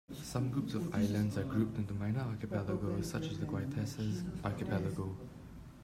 Some groups of islands are grouped into minor archipelagoes such as the Guaitecas Archipelago.